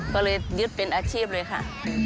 ก็เลยยึดเป็นอาชีพเลยค่ะ